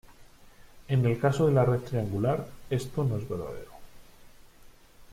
En el caso de la red triangular, esto no es verdadero.